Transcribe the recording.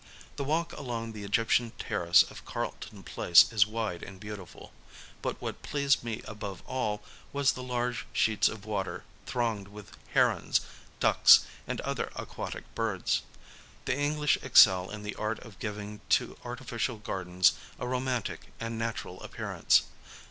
The walk along the Egyptian terrace of Carlton Place is wide and beautiful. But what pleased me above all was the large sheet of water thronged with herons, ducks and other aquatic birds. The English excel in the art of giving to artificial gardens a romantic and natural appearance.